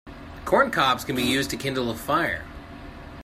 Corn cobs can be used to kindle a fire.